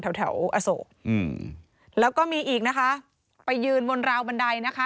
แถวแถวอโศกอืมแล้วก็มีอีกนะคะไปยืนบนราวบันไดนะคะ